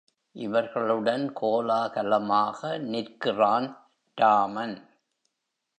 இவர்களுடன் கோலாகலமாக நிற்கிறான் ராமன்.